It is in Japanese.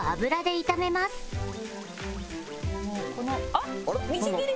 あっみじん切りも？